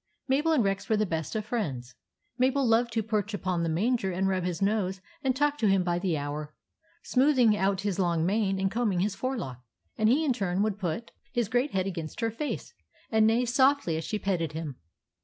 Mabel and Rex were the best of friends. Mabel loved to perch upon the manger and rub his nose and talk to him by the hour, smoothing out his long mane and combing his forelock; and he in his turn would put 3 o THE ADVENTURES OF MABEL his great head against her face and neigh softly as she petted him.